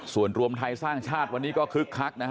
ส่วนรวมไทยสร้างชาติวันนี้ก็คึกคักนะฮะ